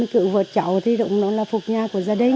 cứu vượt cháu thì đụng nó là phục nhà của gia đình